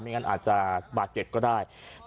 ไม่งั้นอาจเจ็บก็ได้